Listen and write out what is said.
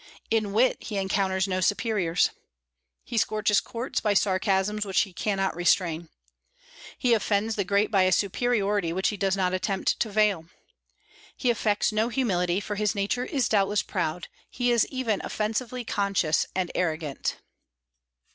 In wit he encounters no superiors. He scorches courts by sarcasms which he can not restrain. He offends the great by a superiority which he does not attempt to veil. He affects no humility, for his nature is doubtless proud; he is even offensively conscious and arrogant.